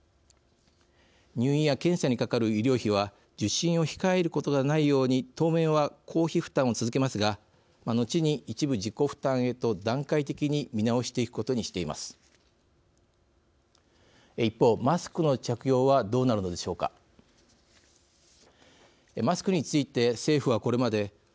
入院や検査にかかる医療費は受診を控えることがないように当面は公費負担を続けますが後に一部自己負担へと段階的に見直していくことにしています。